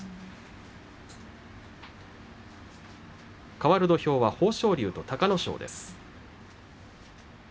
かわる土俵は豊昇龍と隆の勝です。